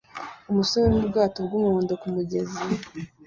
Umusore urimo ubwato bwumuhondo kumugezi